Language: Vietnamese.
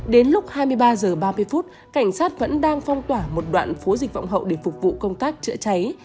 đến lúc hai mươi ba h ba mươi phút cảnh sát vẫn đang phong tỏa một đoạn phố dịch vọng hậu để phục vụ công tác chữa cháy